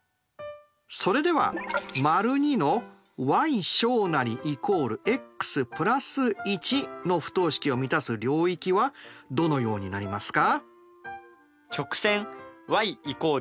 それではこの連立不等式の表す領域はどのようになりますか？